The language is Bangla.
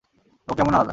ও কেমন আলাদা!